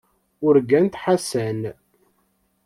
Urgant Ḥasan.